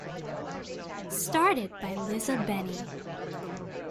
Started by Lisa Bennie.